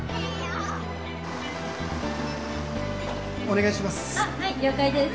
お願いします